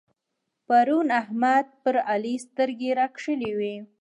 پرون احمد پر علي سترګې راکښلې وې.